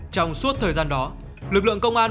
trong suốt thời gian đó lực lượng công an